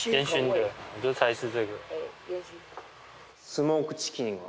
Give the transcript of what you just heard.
スモークチキンは。